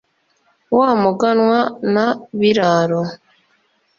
wa muganwa na biraro